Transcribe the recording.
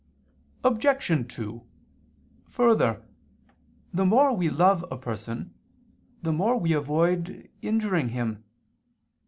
Obj. 2: Further, the more we love a person, the more we avoid injuring him.